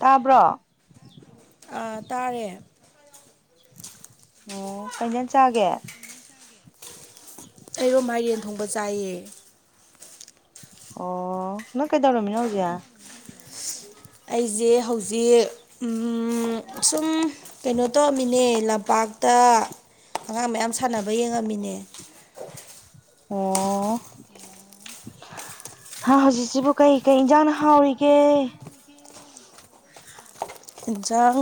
ꯇꯥꯕ꯭ꯔꯣ ꯑꯣꯝ ꯀꯖꯟ ꯆꯥꯒꯦ ꯑꯩꯔꯣ ꯃꯥꯏꯔꯦꯟ ꯊꯣꯡꯕ ꯆꯥꯏꯌꯦ ꯑꯣ ꯅꯪ ꯀꯩꯗꯧꯔꯃꯤ ꯍꯧꯖꯤꯛ ꯑꯩꯁꯦ ꯍꯧꯖꯤꯛ ꯁꯨꯝ ꯀꯩꯅꯣ ꯇꯧꯔꯝꯃꯤꯅꯦ ꯂꯝꯄꯥꯛ ꯊꯞꯇ ꯑꯉꯥꯡ ꯃꯌꯥꯝ ꯁꯥꯟꯅꯕ ꯌꯦꯡꯉꯝꯃꯤꯅꯦ ꯑꯣ ꯍꯥ ꯍꯧꯖꯤꯛꯁꯤꯕꯨ ꯀꯩ ꯀꯩ ꯏꯟꯁꯥꯡꯅ ꯍꯥꯎꯔꯤꯒꯦ ꯏꯟꯁꯥꯡ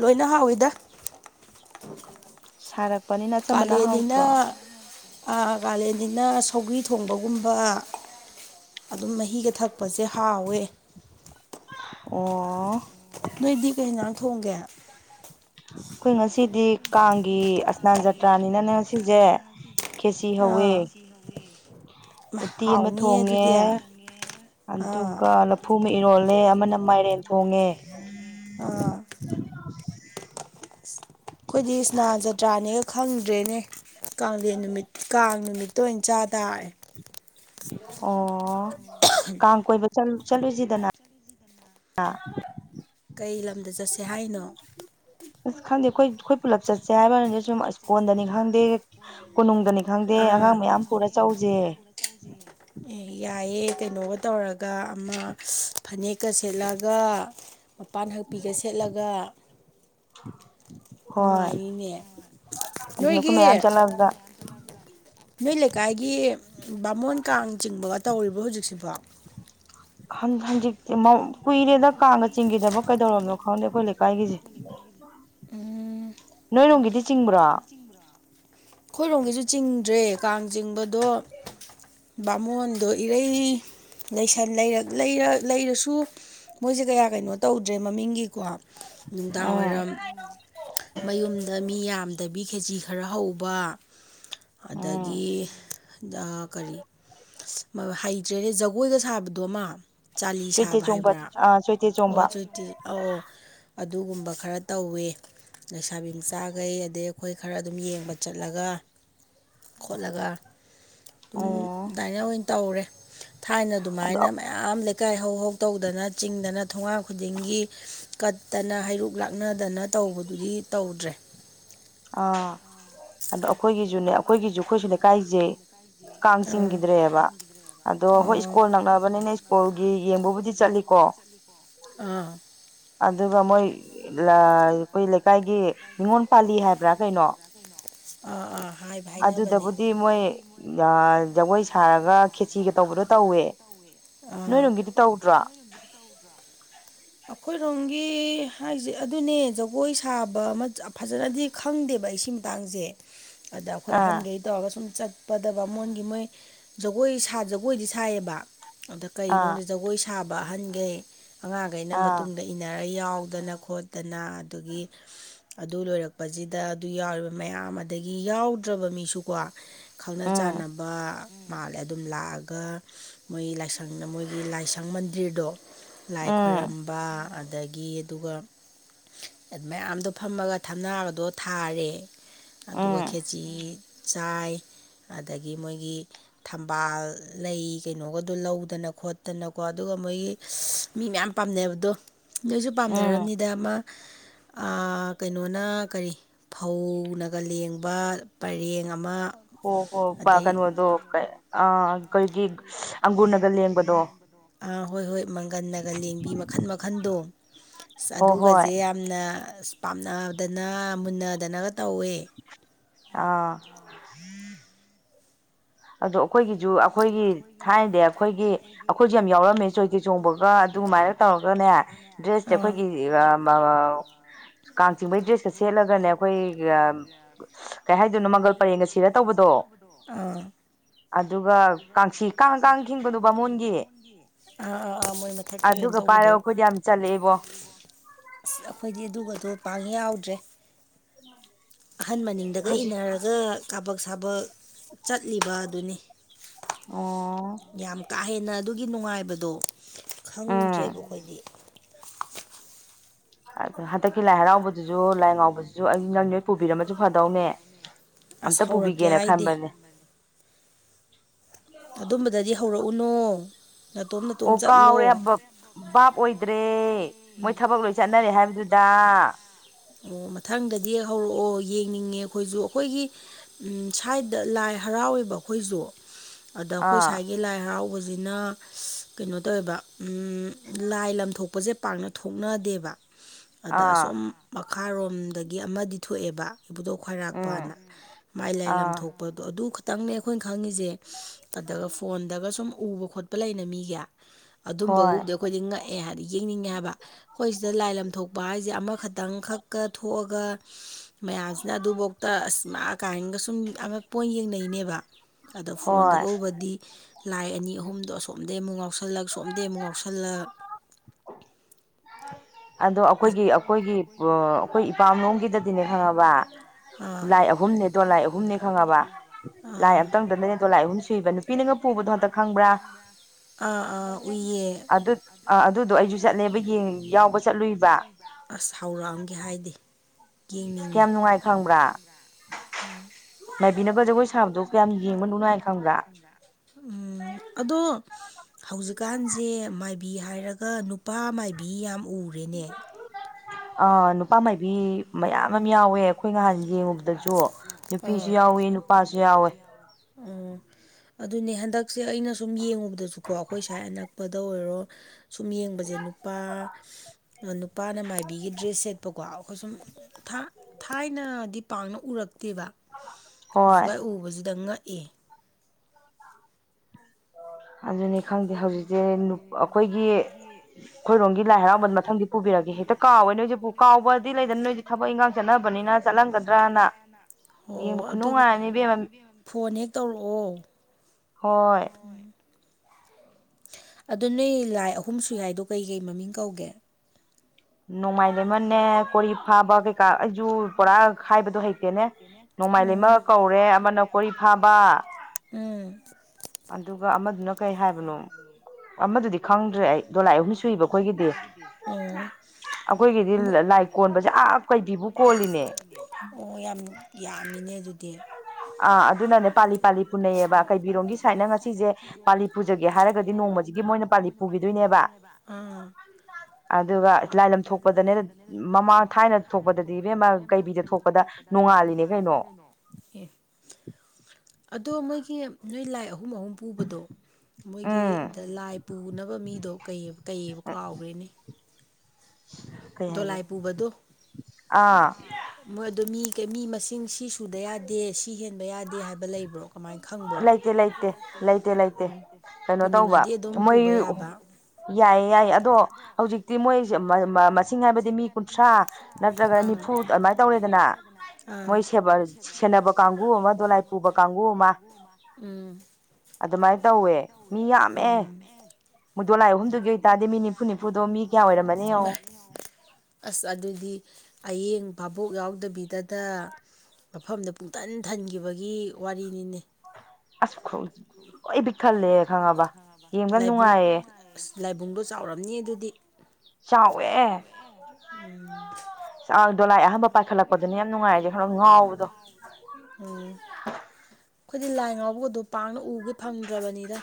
ꯂꯣꯏꯅ ꯍꯥꯎꯋꯤꯗ ꯁꯥꯔꯛꯄꯅꯤꯅ ꯑꯆꯝꯕꯅ ꯍꯥꯎꯗ꯭ꯔꯣ ꯀꯥꯂꯦꯟꯅꯤꯅ ꯁꯧꯒꯔꯤ ꯊꯣꯡꯕꯒꯨꯝꯕ ꯑꯗꯨꯝ ꯃꯍꯤꯒ ꯊꯛꯄꯁꯦ ꯍꯥꯎꯋꯦ ꯑꯣ ꯅꯣꯏꯗꯤ ꯀꯩ ꯅꯪ ꯊꯣꯡꯒꯦ ꯑꯩꯈꯣꯏ ꯉꯁꯤꯗꯤ ꯀꯥꯡꯒꯤ ꯑꯁꯅꯥꯟ ꯖꯇ꯭ꯔꯥꯅꯤꯅꯅꯦ ꯉꯁꯤꯁꯦ ꯑꯥ ꯎꯇꯤ ꯑꯃ ꯊꯣꯡꯉꯦ ꯑꯗꯨꯒ ꯂꯐꯨ ꯑꯃ ꯏꯔꯣꯜ ꯅꯦ ꯑꯃꯅ ꯃꯥꯏꯔꯦꯟ ꯊꯣꯡꯉꯦ ꯑꯥ ꯎ ꯑꯩꯈꯣꯏꯗꯤ ꯏꯁꯅꯥ ꯆꯇ꯭ꯔꯥꯅꯦꯒ ꯈꯪꯗ꯭ꯔꯦꯅꯦ ꯀꯦꯟ ꯅꯨꯃꯤꯠ ꯀꯥꯡ ꯅꯨꯃꯤꯠꯇ ꯑꯣꯏꯅ ꯆꯥ ꯇꯥꯔꯦ ꯑꯣ ꯀꯥꯡ ꯀꯣꯏꯕ ꯆꯠꯂꯨꯁꯤꯗꯅ ꯑꯥ ꯀꯩ ꯂꯝꯗ ꯆꯠꯁꯦ ꯍꯥꯏꯅꯣ ꯑꯁ ꯈꯪꯗꯦ ꯑꯩꯈꯣꯏ ꯑꯩꯈꯣꯏ ꯄꯨꯂꯞ ꯆꯠꯁꯦ ꯍꯥꯏꯕꯗꯤ ꯁꯨꯝ ꯏꯁ꯭ꯀꯣꯟꯗꯅꯤ ꯈꯪꯗꯦ ꯀꯣꯅꯨꯡꯗꯅꯤꯦ ꯈꯪꯗꯦ ꯑꯉꯥꯡ ꯃꯌꯥꯝ ꯄꯨꯔꯆꯧꯁꯦ ꯌꯥꯏꯑꯦ ꯀꯩꯅꯣꯒ ꯇꯧꯔꯒ ꯑꯃ ꯐꯅꯦꯛꯀ ꯁꯦꯠꯂꯒ ꯃꯄꯥꯟ ꯍꯥꯛꯄꯤꯒ ꯁꯦꯠꯂꯒ ꯅꯨꯡꯉꯥꯏꯔꯤꯅꯦ ꯅꯣꯏꯒꯤ ꯅꯣꯏ ꯂꯩꯀꯥꯏꯒꯤ ꯕꯥꯃꯣꯟ ꯀꯥꯡ ꯆꯤꯡꯕꯒ ꯇꯧꯔꯤꯕꯣ ꯍꯧꯖꯤꯛꯁꯤꯕꯣ ꯍꯪꯖꯤꯛꯇꯤ ꯀꯨꯏꯔꯦꯗ ꯀꯥꯡꯒ ꯆꯤꯡꯈꯤꯗꯕ ꯀꯩꯗꯧꯔꯕꯅꯣ ꯈꯪꯗꯦ ꯑꯩꯈꯣꯏ ꯂꯩꯀꯥꯏꯒꯤꯁꯦ ꯅꯣꯏ ꯅꯣꯡꯒꯤꯗꯤ ꯆꯤꯡꯕ꯭ꯔꯥ ꯑꯩꯣꯏꯔꯣꯝꯒꯤꯁꯨ ꯆꯤꯡꯗ꯭ꯔꯦ ꯀꯥꯡ ꯆꯤꯡꯕꯗꯣ ꯕꯥꯃꯣꯟꯗꯣ ꯏꯔꯩ ꯂꯩꯔꯁꯨ ꯃꯣꯏꯁꯦ ꯀꯌꯥ ꯀꯩꯅꯣ ꯇꯧꯗ꯭ꯔꯦ ꯃꯃꯤꯡꯒꯤꯀꯣ ꯅꯨꯡꯗꯥꯡꯋꯥꯏꯔꯝ ꯃꯌꯨꯝꯗ ꯃꯤ ꯌꯥꯝꯗꯕꯤ ꯀꯦꯖꯤ ꯈꯔ ꯍꯧꯕ ꯇ ꯑꯗꯒꯤ ꯀꯔꯤ ꯍꯩꯇ꯭ꯔꯦꯅꯦꯦ ꯖꯒꯣꯏꯗ ꯁꯥꯕꯗꯣꯃ ꯆꯥꯂꯤ ꯁꯥꯕ ꯍꯥꯏꯕ꯭ꯔꯥ ꯑꯣ ꯆꯣꯏꯇꯤꯁ ꯑ ꯑꯣ ꯑꯗꯨꯒꯨꯝꯕ ꯈꯔ ꯇꯧꯋꯦ ꯂꯩꯁꯥꯕꯤ ꯃꯆꯥꯈꯩ ꯑꯗꯩ ꯑꯩꯈꯣꯏ ꯈꯔ ꯑꯗꯨꯝ ꯌꯦꯡꯕ ꯆꯠꯂꯒ ꯈꯣꯠꯂꯒ ꯑꯗꯨꯝ ꯗꯥꯏꯅ ꯑꯣꯏꯅ ꯇꯧꯔꯦ ꯊꯥꯏꯅ ꯑꯗꯨꯃꯥꯏꯅ ꯃꯌꯥꯝ ꯂꯩ ꯏꯀꯥꯏ ꯍꯧꯧꯍꯧ ꯇꯧꯗꯅ ꯆꯤꯡꯗꯅ ꯊꯣꯡꯉꯥꯡ ꯈꯨꯗꯤꯡꯒꯤ ꯀꯠꯇꯅ ꯍꯩꯔꯨꯛ ꯂꯥꯛꯅꯗꯅ ꯇꯧ ꯇꯧꯕꯗꯨꯗꯤ ꯇꯧꯗ꯭ꯔꯦ ꯑꯥ ꯑꯗꯣ ꯑꯩꯈꯣꯏꯒꯤꯁꯨꯅꯦ ꯑꯩꯈꯣꯏꯒꯤꯁꯨ ꯑꯩꯈꯣꯏꯁꯨꯅꯦ ꯀꯥꯏꯖꯩ ꯀꯥꯡ ꯆꯤꯡꯈꯤꯗ꯭ꯔꯦꯕ ꯑꯗꯣ ꯍꯣꯏ ꯁ꯭ꯀꯨꯜ ꯅꯛꯅꯕꯅꯤꯅ ꯁ꯭ꯀꯨꯜꯒꯤ ꯌꯦꯡꯕꯕꯨꯗꯤ ꯆꯠꯂꯤꯀꯣ ꯑꯥ ꯑꯗꯨꯒ ꯃꯣꯏ ꯑꯩꯈꯣꯏ ꯂꯩꯀꯥꯏꯒꯤ ꯅꯤꯉꯣꯜ ꯄꯥꯜꯂꯤ ꯍꯥꯏꯕ꯭ꯔꯥ ꯀꯩꯅꯣ ꯑꯥ ꯑꯥ ꯑꯗꯨꯗꯕꯨꯗꯤ ꯃꯣꯏ ꯖꯒꯣꯏ ꯁꯥꯔꯒ ꯈꯦꯆꯒ ꯇꯧꯕꯗꯣ ꯇꯧꯋꯦ ꯅꯣꯏ ꯅꯅꯨꯡꯒꯤꯗꯤ ꯇꯧꯗ꯭ꯔꯣ ꯑꯩꯈꯣꯏꯔꯣꯝꯒꯤ ꯍꯥꯏꯁ ꯑꯗꯨꯅꯦ ꯖꯒꯣꯏ ꯁꯥꯕ ꯐꯖꯅꯗꯤ ꯈꯪꯗꯦꯕ ꯁꯤ ꯃꯇꯥꯡꯁꯦ ꯑꯗ ꯑꯩꯈꯣꯏ ꯑꯍꯟꯈꯩ ꯇꯧꯔꯒ ꯁꯨꯝ ꯆꯠ ꯆꯠꯄꯗꯕ ꯃꯣꯟꯒꯤ ꯃꯣꯏ ꯖꯒꯣꯏ ꯖꯒꯣꯏꯗꯤ ꯁꯥꯏꯑꯕ ꯑꯗ ꯀꯩꯅꯣꯗꯤ ꯖꯒꯣꯏ ꯁꯥꯕ ꯑꯍꯟꯈꯩ ꯑꯉꯥꯡꯈꯩꯅ ꯃꯇꯨꯡꯗ ꯏꯟꯅꯔ ꯌꯥꯎꯗꯅ ꯈꯣꯠꯇꯅ ꯑꯗꯨꯗꯒꯤ [unintelligible] ꯑꯗꯨ ꯂꯣꯏꯔꯛꯄꯁꯤꯗ ꯑꯗꯨ ꯌꯥꯎꯔꯤꯕ ꯃꯌꯥꯝ ꯑꯗꯒꯤ ꯌꯥꯎꯗ꯭ꯔꯕ ꯃꯤꯁꯨꯀꯣ ꯈꯪꯅ ꯆꯥꯟꯅꯕ ꯃꯥꯜꯂꯦ ꯑꯗꯨꯝ ꯂꯥꯛꯑꯒ ꯃꯣꯏ ꯂꯥꯏꯁꯪꯗ ꯃꯣꯏꯒꯤ ꯂꯥꯏꯁꯪ ꯃꯟꯗꯤꯔꯗꯣ ꯂꯥꯏ ꯈꯣꯏꯔꯝꯕ ꯑꯗꯒꯤ ꯑꯗꯨꯒ ꯑꯗꯨ ꯃꯌꯥꯝꯗꯣ ꯐꯝꯃꯒ ꯊꯝꯅꯥꯕꯗꯣ ꯊꯥꯔꯦ ꯑꯗꯨꯒ ꯈꯦꯆꯤ ꯆꯥꯏ ꯑꯗꯒꯤ ꯃꯣꯏꯒꯤ ꯊꯝꯕꯥꯜ ꯂꯩ ꯀꯩꯅꯣꯒꯗꯣ ꯂꯧꯗꯅ ꯈꯣꯠꯇꯅꯀꯣ ꯑꯗꯨꯒ ꯃꯣꯏꯒꯤ ꯃꯤ ꯃꯌꯥꯝ ꯄꯥꯝꯅꯩꯕꯗꯣ ꯅꯣꯏꯁꯨ ꯄꯥꯝꯅꯔꯕꯝꯅꯤꯗ ꯑꯃ ꯀꯩꯅꯣꯅ ꯀꯔꯤ ꯐꯧꯅꯒ ꯂꯦꯡꯕ ꯄꯔꯦꯡ ꯍ ꯍꯣ ꯒꯥꯟ ꯃ ꯀ ꯑ ꯑꯩꯈꯣꯏꯒꯤ ꯑꯪꯒꯅꯒ ꯂꯦꯡꯕꯗꯣ ꯥ ꯍꯣꯏ ꯍꯣꯏ ꯃꯪꯒꯟꯟꯅꯒ ꯂꯦꯡꯕꯤ ꯃꯈꯜ ꯃꯈꯟꯗꯣ ꯑꯗꯨꯒꯖꯦ ꯌꯥꯝꯅ ꯑ ꯄꯥꯝꯅꯗꯅ ꯃꯨꯟꯅꯗꯅꯒ ꯑ ꯑꯗꯣ ꯑꯩꯈꯣꯏꯒꯤꯁꯨ ꯑꯩꯈꯣꯏꯒꯤ ꯊꯥꯏꯅꯗꯤ ꯑꯩꯈꯣꯏꯒꯤ ꯑꯩꯈꯣꯏꯁꯨꯦ ꯌꯥꯝ ꯌꯥꯎꯔꯝꯃꯦ ꯆꯣꯏꯇꯦ ꯆꯣꯡꯕꯒ ꯑꯗꯨꯃꯥꯏꯔ ꯇꯧꯔꯒꯅꯦ ꯗ꯭ꯔꯦꯁꯇꯦ ꯑꯩꯈꯣꯏꯒꯤ ꯀꯥꯡ ꯆꯤꯡꯕꯩ ꯗ꯭ꯔꯦꯁꯀ ꯁꯦꯠꯂꯒꯅꯦ ꯑꯩꯈꯣꯏ ꯀꯩ ꯍꯥꯏꯗꯣꯏꯅꯣ ꯃꯪꯒꯜ ꯄꯔꯦꯡꯒ ꯁꯤꯔ ꯇꯧꯕꯗꯣ ꯑꯗꯨꯒ ꯀꯥꯡꯁꯤ ꯀꯥꯡ ꯀꯥꯡ ꯊꯤꯡꯕꯅꯣ ꯕꯥꯃꯣꯟꯒꯤ ꯑꯗꯨꯒ ꯄꯥꯏꯔꯒꯈꯣꯏꯗꯤ ꯌꯥꯝ ꯆꯠꯂꯛꯑꯦꯕꯣ ꯑꯁ ꯑꯩꯈꯣꯏꯗꯤ ꯑꯗꯨꯒ ꯑ ꯄꯥꯡ ꯌꯥꯎꯗ꯭ꯔꯦ ꯑꯍꯟ ꯃꯅꯤꯡꯗꯒ ꯏꯟꯅꯔꯒ ꯊꯕꯛ ꯁꯥꯕꯛ ꯆꯠꯂꯤꯕ ꯑꯗꯨꯅꯤ ꯌꯥꯝ ꯀꯥ ꯍꯦꯟꯅ ꯑꯗꯨꯒꯤ ꯅꯨꯡꯉꯥꯏꯕꯗꯣ ꯈꯪꯗ꯭ꯔꯦꯕ ꯑꯩꯈꯣꯏꯗꯤ ꯑ ꯍꯟꯗꯛꯀꯤ ꯂꯥꯏ ꯍꯔꯥꯎꯕꯗꯨꯁꯨ ꯂꯥꯏ ꯉꯥꯎꯕꯗꯨꯁꯨ ꯑꯩ ꯅꯪꯣꯏ ꯄꯨꯕꯤꯔꯝꯃꯁꯨ ꯐꯗꯧꯅꯦ ꯑꯝꯇ ꯄꯨꯕꯤꯒꯦꯅ ꯈꯟꯕꯅꯦ ꯑꯗꯨꯝꯕꯗꯗꯤ ꯍꯧꯔꯛꯎꯅꯣ ꯑꯣ ꯀꯥꯎꯔꯦ ꯚꯕꯥꯞ ꯑꯣꯏꯗ꯭ꯔꯦ ꯃꯣꯏ ꯊꯕꯛ ꯂꯣꯏ ꯆꯠꯅꯔꯦ ꯍꯥꯏꯕ ꯑꯗꯨꯗ ꯑꯣ ꯃꯊꯪꯗꯗꯤ ꯍꯧꯔꯛꯑꯣ ꯌꯦꯡꯅꯤꯡꯉꯦ ꯑꯩꯈꯣꯏꯁꯨ ꯑꯩꯈꯣꯏꯒꯤ ꯁꯥꯏꯗ ꯂꯥꯏ ꯍꯔꯥꯎꯋꯦꯕ ꯑꯩꯈꯣꯏꯁꯨ ꯑꯗ ꯑꯩꯈꯣꯏ ꯁ꯭ꯋꯥꯏꯒꯤ ꯂꯥꯏ ꯍꯔꯥꯎꯕꯕꯁꯤ ꯑꯁꯤꯅ ꯀꯩꯅꯣ ꯇꯧꯋꯦꯕ ꯂꯥꯏ ꯂꯊꯣꯛꯄꯁꯦ ꯄꯥꯛꯅ ꯊꯣꯛꯅꯗꯦꯕ ꯑꯗ ꯑꯁꯣꯝ ꯃꯈꯥꯔꯣꯝꯗꯒꯤ ꯑꯃꯗꯤ ꯊꯣꯛꯑꯦꯕ ꯏꯕꯨꯗꯧ ꯈ꯭ꯋꯥꯏꯔꯥꯛꯄꯅ ꯃꯥꯏ ꯂꯥꯏ ꯂꯝꯊ ꯊꯣꯛꯄꯗꯣ ꯑꯗꯨ ꯈꯛꯇꯪꯅꯦ ꯑꯩꯈꯣꯏꯅ ꯈꯪꯉꯤꯁꯦ ꯑꯗꯨꯒꯗ ꯐꯣꯟꯗꯒ ꯁꯨꯝ ꯎꯕ ꯈꯣꯠꯄ ꯂꯩꯅ ꯃꯤꯒ ꯑꯗꯨꯝꯕꯕꯨꯕꯨꯗꯤ ꯑꯩꯈꯣꯏꯗꯤ ꯉꯛꯑꯦ ꯍꯥꯏꯕꯗꯤ ꯌꯦꯡꯅꯤꯡꯉꯦ ꯍꯥꯏꯕ ꯑꯩꯈꯣꯏ ꯁꯤꯗ ꯂꯥꯏ ꯂꯝ ꯊꯣꯛꯄ ꯍꯥꯏꯁꯦ ꯑꯃꯈꯛ ꯈꯤꯇꯪ ꯈꯛꯀ ꯊꯣꯛꯑꯒ ꯃꯌꯥꯝꯁꯤꯅ ꯑꯗꯨꯐꯧꯗ ꯑꯁ ꯃꯥ ꯀꯥꯏꯅꯒ ꯁꯨꯝꯛ ꯄꯣꯏꯟ ꯌꯦꯡꯅꯩꯅꯦꯕ ꯑꯗꯣ ꯐꯣꯟꯗ ꯀꯧꯕꯗꯤ ꯂꯥꯏ ꯑꯅꯤ ꯑꯍꯨꯝꯗꯣ ꯑꯁꯣꯝꯗꯩ ꯑꯃꯨꯛ ꯉꯥꯎꯁꯜꯂꯛ ꯁꯣꯝꯗꯩ ꯑꯃꯨꯛ ꯉꯥꯎꯁꯜꯂꯛ ꯑꯗꯣ ꯑꯩꯈꯣꯏꯒꯤ ꯑꯩꯈꯣꯏꯒꯤ ꯑꯩꯈꯣꯏ ꯏꯄꯥꯝꯂꯒꯤꯗꯗꯤꯅꯦ ꯈꯪꯉꯕ ꯂꯥꯏ ꯂꯥꯏ ꯑꯍꯨꯝꯅꯦ ꯗꯣ ꯂꯥꯏ ꯑꯍꯨꯝꯅꯦ ꯈꯪꯉꯕ ꯂꯥꯏ ꯑꯇꯪꯗꯅꯅꯦ ꯗꯣ ꯂꯥꯏ ꯑꯍꯨꯝ ꯁꯤꯕ ꯅꯨꯄꯤꯅꯅ ꯆ ꯄꯨꯗ ꯑꯁ ꯍꯥꯎꯔꯥꯡꯑꯒꯦ ꯍꯥꯏꯗꯤ ꯑ ꯀꯌꯥꯝ ꯅꯨꯡꯉꯥꯏ ꯈꯪꯕ꯭ꯔꯥ ꯎꯝ ꯎꯝ ꯑꯗꯣ ꯍꯧꯖꯤꯛꯀꯥꯟꯁꯦ ꯃꯥꯏꯕꯤ ꯍꯥꯏꯔꯒ ꯅꯨꯄꯥ ꯃꯥꯏꯕꯤ ꯌꯥꯝ ꯎꯔ ꯕꯦꯅꯦ ꯑ ꯅꯨꯄꯥ ꯃꯥꯏꯕꯤ ꯃꯌꯥꯝ ꯑꯃ ꯌꯥꯎꯋꯦ ꯑꯩꯈꯣꯏ ꯅꯍꯥꯟ ꯌꯦꯡꯉꯨꯕꯗꯁꯨ ꯅꯨꯄꯤꯁꯨ ꯌꯥꯎꯋ ꯅꯨꯄꯥꯁꯨ ꯌꯥꯎꯋꯦ ꯑꯣ ꯑꯗꯨꯅꯦ ꯍꯟꯗꯛꯁꯦ ꯑꯩꯅ ꯁꯨꯝ ꯌꯦꯡꯉꯨꯕꯗꯁꯨꯀꯣ ꯑꯩꯈꯣꯏ ꯁ꯭ꯋꯥꯏ ꯍꯟꯗꯛ ꯗ ꯑꯣꯏꯔꯣ ꯁꯨꯝ ꯌꯦꯡꯕꯁꯦ ꯅꯨꯄꯥ ꯅꯨꯄꯥꯅ ꯃꯥꯏꯕꯤꯒꯤ ꯗ꯭ꯔꯦꯁ ꯁꯦꯠꯄ ꯀꯣ ꯑꯩꯈꯣꯏ ꯁꯨꯝ ꯊꯥꯏꯅꯗꯤ ꯄꯥꯡꯅ ꯎꯔꯛ ꯅꯠꯇꯦꯕ ꯍꯧꯖꯤꯛꯀꯥꯏ ꯎꯕꯁꯤꯗ ꯉꯛꯏ ꯑꯗꯨꯅꯤ ꯈꯪꯗꯦ ꯍꯧꯖꯤꯛꯁꯦ ꯑꯩꯈꯣꯏꯒꯤ ꯈꯣꯏꯔꯣꯝꯒꯤ ꯂꯥꯏ ꯍꯔꯥꯎꯕ ꯃꯊꯪꯗꯤ ꯄꯨꯕꯤꯔꯒꯦ ꯄꯨꯕꯤꯔꯗꯤ ꯍꯦꯛꯇ ꯀꯥꯎꯋꯦ ꯅꯣꯏꯁꯦ ꯀꯥꯎꯕꯗꯤ ꯂꯩꯗꯕ ꯅꯣꯏꯁꯨ ꯊꯕꯛ ꯏꯪꯥꯡ ꯆꯠꯅꯕꯅꯤꯅ ꯆꯠꯂꯝꯒꯗ꯭ꯔꯅ ꯑꯣ ꯑꯗꯨ ꯐꯣꯟ ꯍꯦꯛ ꯇꯧꯔꯛꯑꯣ ꯍꯣꯏ ꯑꯗꯨ ꯅꯣꯏ ꯂꯥꯏ ꯑꯍꯨꯝ ꯁꯨ ꯌꯥꯏꯗꯣ ꯀꯩꯀꯩ ꯃꯃꯤꯡ ꯀꯧꯒꯦ ꯅꯣꯡꯃꯥꯏꯅꯦꯃꯅꯦ ꯀꯣꯔꯤ ꯐꯥꯕ ꯀꯩꯀꯥ ꯑꯩꯁꯨ ꯄꯨꯣꯔꯥ ꯈꯥꯏꯕꯗꯣ ꯍꯩꯇꯦꯅꯦ ꯅꯣꯡꯃꯥꯏ ꯂꯩꯃꯒ ꯀꯧꯔꯦ ꯑꯃꯅ ꯀꯣꯔꯤ ꯐꯥꯕ ꯑꯗꯨꯒ ꯑꯃꯗꯨꯅ ꯀꯔꯤ ꯍꯥꯏꯕꯅꯣ ꯑꯃꯗꯨꯗꯤ ꯈꯪꯗ꯭ꯔꯦ ꯑꯩꯅ ꯑꯩꯕꯨꯨ ꯁꯨꯏꯕ ꯑꯩꯈꯣꯏꯒꯤꯗꯤ ꯑꯈꯣꯏꯒꯤ ꯑꯣ ꯌꯥꯝ ꯌꯥꯝꯃꯤꯅꯦ ꯑꯗꯨꯗꯤ ꯑꯥ ꯑꯗꯨꯅꯅꯦ ꯄꯥꯂꯤ ꯄꯥꯂꯤ ꯄꯨꯅꯩꯌꯦꯕ ꯀꯩꯕꯤꯔꯣꯝꯒꯤ ꯁꯥꯏꯠꯅ ꯉꯁꯤꯁꯦ ꯄꯥꯂꯤ ꯄꯨꯖꯒꯦ ꯍꯥꯏꯔꯒꯗꯤ ꯍꯥꯏꯔꯒꯗꯤ ꯅꯣꯡꯃꯁꯤ ꯃꯣꯏꯅ ꯄꯥꯂꯤ ꯄꯨꯈꯤꯗꯣꯏꯅꯦꯕ ꯎ ꯑꯗꯨꯒ ꯂꯥꯏ ꯂꯝꯊꯣꯛ ꯊꯣꯛꯄꯗꯅꯦ ꯃꯃꯥꯡ ꯊꯥꯏꯅ ꯊꯣꯛꯄꯗꯗꯤ ꯏꯕꯦꯝꯃ ꯀꯩꯕꯤꯗ ꯊꯣꯛꯄꯗ ꯅꯣꯡꯉꯥꯜꯂꯤꯅꯦ ꯀꯩꯅꯣ ꯌꯦ [unintelligible] [inaudible] [unintelligible] [inaudible] ꯑꯗꯣ ꯃꯣꯏꯒꯤ ꯅꯣꯏ ꯂꯥꯏ ꯑꯍꯨꯝ ꯑꯍꯨꯝ ꯄꯨꯕꯗꯣ ꯃꯣꯏꯒꯤꯗ ꯂꯥꯏ ꯄꯨꯅꯕ ꯃꯤꯗꯣꯩ ꯀꯩꯕ ꯀꯥꯎꯈ꯭ꯔꯦꯅꯦ ꯗꯣꯂꯥꯏ ꯄꯨꯕꯗꯣ ꯃꯣꯏꯗ ꯃꯤ ꯃꯁꯤꯡ ꯁꯤ ꯁꯨꯗ ꯌꯥꯗꯦ ꯁꯤ ꯍꯦꯟꯕ ꯌꯥꯗꯦ ꯍꯥꯏꯕ ꯂꯩꯕ ꯃꯥꯏ ꯈꯪꯕ꯭ꯔꯣ ꯄꯨꯅꯤꯡꯉꯗꯤ ꯑꯗꯨꯝ ꯄꯨꯕ ꯌꯥꯕ ꯌꯥꯏꯌꯦ ꯌꯥꯏꯌꯦ ꯑꯗꯣ ꯍꯧꯖꯤꯛꯇꯤ ꯃꯣꯏꯁꯦ ꯃꯁꯤꯡ ꯍꯥꯏꯕꯗꯤ ꯃꯤ ꯀꯨꯟꯊ꯭ꯔꯥ ꯅꯤꯐꯨꯗ ꯑꯗꯨꯃꯥꯏꯅ ꯇꯧꯔꯦꯗꯅ ꯃꯣꯏ ꯁꯦ ꯕ ꯀꯥꯡꯒꯕꯨ ꯑꯃ ꯗꯣꯂꯥꯏ ꯄꯨꯕ ꯀꯥꯡꯕꯨꯨ ꯑꯃ ꯎ ꯑꯗꯨꯃꯥꯏꯅ ꯇꯧꯋꯦ ꯌꯥꯝꯃꯦ ꯃꯨꯗꯣ ꯂꯥꯏ ꯑꯍꯨꯝꯗꯨꯒꯤ ꯑꯣꯏꯇꯥꯔꯗꯤ ꯃꯤ ꯅꯤꯐꯨ ꯅꯤꯐꯨꯗꯣ ꯃꯤ ꯀꯌꯥ ꯑꯣꯏꯔꯝꯃꯅꯤꯉ ꯑꯁ ꯑꯗꯨꯗꯤ ꯍꯌꯦꯡ ꯚꯥꯕꯣꯛ ꯌꯥꯎꯗꯕꯤꯗꯗ ꯃꯐꯝꯗꯨ ꯄꯨꯡꯊꯟ ꯊꯟꯈꯤꯕꯒꯤ ꯋꯥꯔꯤꯅꯤꯅꯦ ꯑꯁ ꯂꯣꯏ ꯕꯤꯠ ꯈꯜꯂꯦ ꯈꯪꯉꯕ ꯌꯦꯡꯕ ꯅꯨꯡꯉꯥꯏꯌꯦ ꯂꯥꯏꯕꯨꯡꯗꯣ ꯆꯥꯎꯔꯝꯅꯤ ꯑꯗꯨꯗꯤ ꯆꯥꯎꯋꯦ ꯆꯥꯎꯋꯦ ꯎꯝ ꯗꯣꯂꯥꯏ ꯑꯍꯥꯟꯕ ꯄꯥꯏꯈꯠꯂꯛꯄꯗꯅꯤ ꯌꯥꯝ ꯅꯨꯡꯉꯥꯏꯔꯁꯦ ꯈꯔꯣ ꯉꯥꯎꯕꯗꯣ [unintelligible] [inaudible] ꯑꯩꯈꯣꯏꯗꯤ ꯂꯥꯏ ꯉꯥꯎꯕꯒꯗꯣ ꯄꯥꯛꯅ ꯎꯒꯦ ꯐꯪꯗ꯭ꯔꯕꯅꯤꯗ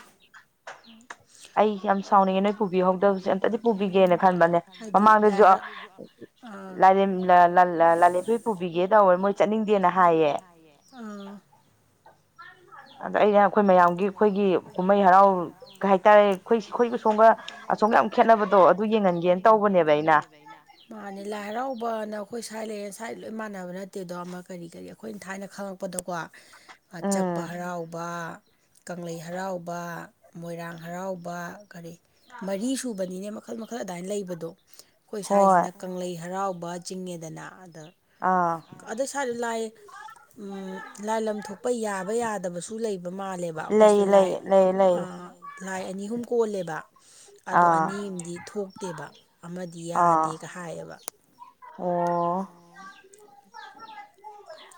ꯑꯩ ꯌꯥꯝ ꯁꯥꯎꯅꯤꯡꯉꯦ ꯅꯣꯏ ꯄꯨꯕꯤꯍꯧꯗꯕꯁꯦ ꯑꯝꯇꯗꯤ ꯄꯨꯕꯤꯒꯦꯅ ꯈꯟꯕꯅꯦ ꯃꯃꯥꯡꯗꯁꯨ ꯂꯥꯂꯦꯝꯕꯣꯏ ꯄꯨꯕꯤꯒꯦ ꯇꯧꯔ ꯃꯣꯏ ꯆꯠꯅꯤꯡꯗꯦꯅ ꯍꯥꯏꯌꯦ [unintelligible] [inaudible] ꯍ ꯍ [unintelligible] [inaudible] ꯑꯗꯣ ꯑꯩꯅ ꯑꯩꯈꯣꯏ ꯃꯌꯥꯝꯒꯤ ꯑꯩꯈꯣꯏꯒꯤ ꯀꯨꯝꯍꯩ ꯍꯔꯥꯎ ꯀꯩ ꯍꯥꯏꯇꯥꯔꯦ ꯑꯩꯈꯣꯏ ꯑꯩꯈꯣꯏꯒꯤ ꯁꯣꯝꯕ ꯑꯁꯣꯝ ꯌꯥꯝ ꯈꯦꯠꯅꯕꯗꯣ ꯑꯗꯨ ꯌꯦꯡꯍꯟꯒꯦꯅ ꯃꯥꯅꯦ ꯂꯥꯏ ꯍꯔꯥꯎꯕꯅ ꯑꯩꯈꯣꯏ ꯁ꯭ꯥꯏ ꯂꯩꯔꯦ ꯁꯋꯥꯥꯏꯗ ꯂꯣꯏ ꯃꯥꯟꯅꯕ ꯅꯠꯇꯦꯗꯣ ꯑꯃ ꯀꯔꯤ ꯀꯔꯤ ꯑꯩꯈꯣꯏꯅ ꯊꯥꯏꯅ ꯈꯪꯉꯛꯄꯗꯣꯀꯣ ꯆꯛꯄ ꯍꯔꯥꯎꯕ ꯀꯪꯂꯩ ꯍꯔꯥꯎꯕ ꯃꯣꯏꯔꯥꯡ ꯍꯔꯥꯎꯕ ꯀꯔꯤ ꯃꯔꯤ ꯁꯨꯕꯅꯤꯅꯦ ꯃꯈꯜ ꯃꯈꯜ ꯑꯗꯨꯃꯥꯏ ꯂꯩꯕꯗꯣ ꯑꯩꯈꯣꯏ ꯁ꯭ꯋꯥꯏꯁꯤꯅ ꯀꯪꯂꯩ ꯍꯔꯥꯎ ꯕꯥꯖꯤꯡꯤꯡꯦꯗꯅ ꯑꯗ ꯑ ꯂꯥꯏ ꯂꯥꯏ ꯂ ꯊꯣꯛꯄ ꯌꯥꯕ ꯌꯥꯗ ꯐ ꯗꯕꯁꯨ ꯂꯩꯕ ꯃꯥꯜꯂꯦꯕ ꯑꯩꯈꯣꯏ ꯁꯤꯗ ꯂꯥꯏ ꯂꯥꯏ ꯑꯅꯤ ꯑꯍꯨꯝ ꯀꯣꯜꯂꯦꯕ ꯑꯗꯣ ꯑꯅꯤ ꯑꯃꯗꯤ ꯊꯣꯛꯇꯦꯕ ꯑꯃꯗꯤ ꯌꯥꯗꯦꯒ ꯍꯥꯏꯌꯦꯕ ꯑꯣ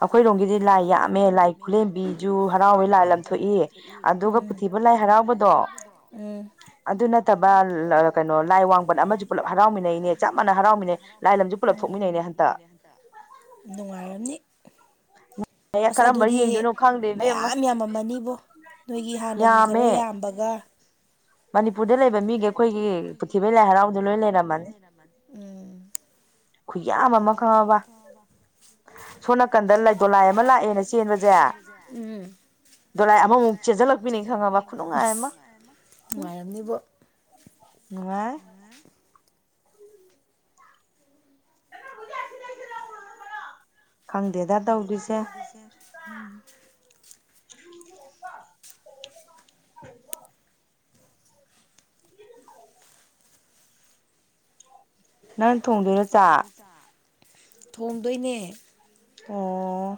ꯑꯩꯈꯣꯏꯔꯣꯝꯒꯤꯗꯤ ꯂꯥꯏ ꯌꯥꯝꯃꯦ ꯂꯥꯏ ꯈꯨꯂꯦꯝꯕꯤꯁꯨꯨ ꯍꯔꯥꯎꯋꯦ ꯂꯥꯏ ꯂꯥꯊꯣꯛꯏ ꯑꯗꯨꯒ ꯄꯨꯊꯤꯕ ꯂꯥꯏ ꯄꯤꯊꯤꯕꯨ ꯂꯥꯏ ꯍꯔꯥꯎꯕꯗꯣ ꯎ ꯑꯗꯨ ꯅꯠꯇꯕ ꯀꯩꯅꯣ ꯂꯥꯏ ꯋꯥꯡꯕꯠ ꯑꯃꯁꯨ ꯄꯨꯂꯞ ꯍꯔꯥꯎꯃꯤꯟꯅꯩꯅꯦ ꯆꯞ ꯃꯥꯟꯅ ꯍꯔꯥꯎꯃꯤꯟꯅꯩ ꯂꯥꯏ ꯂꯝꯁꯨ ꯄꯨꯂꯞ ꯁꯣꯛꯃꯤꯟꯅꯩꯅꯦ ꯍꯟꯇ ꯅꯨꯡꯉꯥꯏꯔꯝꯅꯤ ꯑꯁ ꯑꯗꯨꯗꯤ ꯃꯌꯥꯝ ꯌꯥꯝꯃꯝꯃꯅꯤꯕꯣ ꯅꯣꯏꯒꯤ ꯍꯥꯟꯅꯒꯤ ꯈꯔ ꯌꯥꯝꯕꯒ ꯃꯅꯤꯄꯨꯔꯗ ꯂꯩꯕ ꯃꯤꯗꯤ ꯑꯩꯈꯣꯏꯒꯤ ꯄ꯭ꯊꯤꯕꯩ ꯂꯥꯏ ꯍꯔꯥꯎꯗ ꯂꯣꯏ ꯂꯩꯔꯝꯕꯅꯤ ꯀꯌꯥꯕ ꯑꯃ ꯐꯕ ꯗꯣꯂꯥꯏ ꯑꯃ ꯂꯥꯛꯑꯦꯅ ꯆꯦꯟꯕꯁꯦ ꯗꯔꯥꯏ ꯑꯃꯃꯨꯛ ꯆꯦꯟꯁꯤꯜꯂꯛꯄꯤꯅꯤ ꯈꯪꯉꯕ ꯈꯨꯅꯨꯡꯉꯥꯏ ꯑꯃ ꯉꯥꯏ [unintelligible] ꯈꯪꯗꯦꯗ ꯇꯧꯗꯣꯏꯁꯦ ꯎꯝ ꯍ ꯅꯪ ꯊꯣꯡꯗꯣꯏꯔꯣ ꯆꯥ ꯊꯣꯡꯗꯣꯏꯅꯦ ꯑꯥ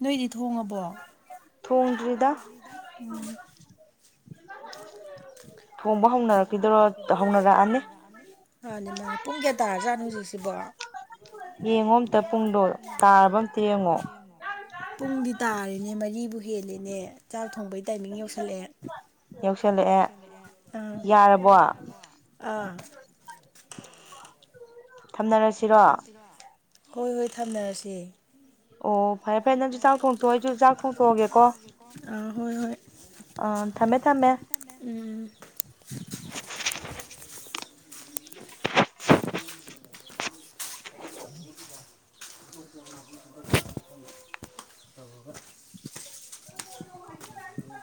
ꯅꯣꯏꯗꯤ ꯊꯣꯡꯉꯕꯣ ꯎꯝ [unintelligible] ꯅꯤ ꯃꯥꯅꯤ ꯄꯨꯡ ꯀꯌꯥ ꯇꯥꯔꯖꯥꯠꯅꯣ ꯍꯧꯖꯤꯛꯁꯤꯕꯣ ꯎ ꯄꯨꯡꯗꯤ ꯇꯥꯔꯦꯅꯦ ꯔꯤꯕꯨ ꯍꯦꯜꯂꯦꯅꯦ ꯆꯥꯛ ꯊꯣꯡꯕꯩ ꯇꯥꯏꯃꯤꯡ ꯌꯧꯁꯜꯂꯛꯑꯦ ꯑꯥ ꯊꯝꯅꯔꯁꯤꯔꯣ ꯍꯣꯏ ꯍꯣꯏ ꯊꯝꯅꯔꯁꯤꯦ ꯑꯣ ꯐꯔꯦ ꯐꯔꯦ ꯅꯪꯁꯨ ꯆꯥꯛ ꯊꯣꯡꯊꯣꯛꯑꯣ ꯑꯩꯁꯨ ꯆꯥꯛ ꯊꯣꯡꯊꯣꯛꯑꯒꯦꯀꯣ ꯑ ꯊꯃꯦ ꯊꯥꯃꯦ [unintelligible] ꯇꯧꯕꯒ [unintelligible] ꯎꯝ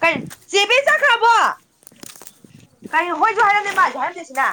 ꯀ ꯆꯦꯕꯤ ꯆꯈ꯭ꯔꯕꯣ ꯀꯔꯤ ꯍꯣꯏꯁꯨ ꯍꯥꯏꯔꯝꯃꯦ ꯃꯥꯁꯨ ꯍꯥꯏꯔꯝꯗꯣꯏꯁꯤꯅ